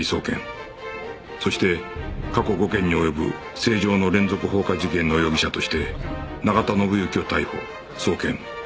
そして過去５件に及ぶ成城の連続放火事件の容疑者として永田伸幸を逮捕送検